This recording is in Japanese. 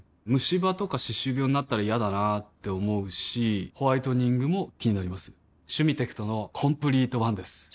ムシ歯とか歯周病になったら嫌だなって思うしホワイトニングも気になります「シュミテクトのコンプリートワン」です